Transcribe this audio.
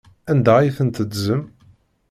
Anda ay ten-teddzem?